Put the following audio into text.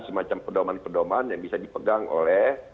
semacam perdoman perdoman yang bisa dipegang oleh